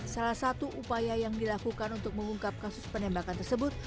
salah satu upaya yang dilakukan untuk mengungkap kasus penembakan tersebut